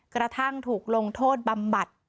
กระทั่งถูกลงโทษบำบัด